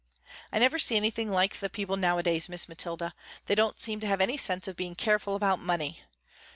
I never see anything like the people nowadays Miss Mathilda, they don't seem to have any sense of being careful about money.